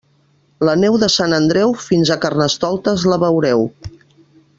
La neu de Sant Andreu, fins a Carnestoltes la veureu.